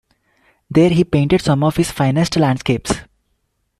There he painted some of his finest landscapes.